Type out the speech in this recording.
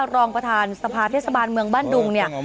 รองประธานสภาเทศบาลเมืองบ้านดุงเนี่ย